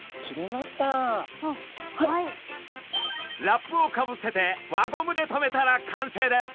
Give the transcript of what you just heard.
ラップをかぶせて輪ゴムでとめたら完成です！